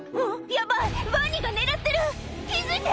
ヤバいワニが狙ってる気付いて！